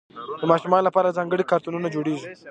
د ماشومانو لپاره ځانګړي کارتونونه جوړېږي.